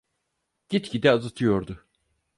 Gitgide azıtıyordu.